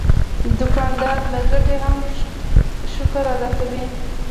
دوکاندار له ګټې هم شکر ادا کوي.